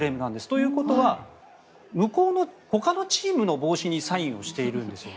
ということは向こうのほかのチームの帽子にサインをしているんです。